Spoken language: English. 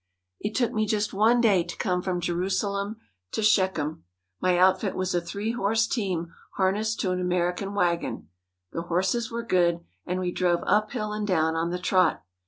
It took me just one day to come from Jerusalem to Shechem. My outfit was a three horse team harnessed to an American wagon. The horses were good, and we drove up hill and down on the trot.